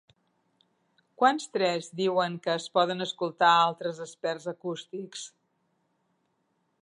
Quants tres diuen que es poden escoltar altres experts acústics?